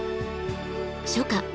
初夏